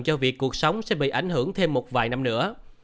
cho việc cuộc sống sẽ bị ảnh hưởng thêm một vài năm nữa